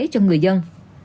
cho người dân